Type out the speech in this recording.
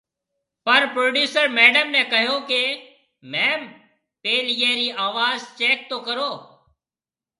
پر پروڊيوسر ميڊم ني ڪهيو ڪي، ميم پيل ايئي ري آواز چيڪ تو ڪرو